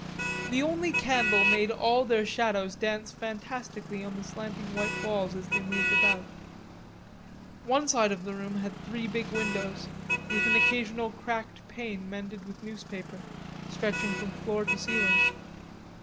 The only candle made all their shadows dance fantastically on the slanting white walls as they moved about. One side of the room had three big windows, with an occasional cracked pane mended with newspaper, stretching from floor to ceiling.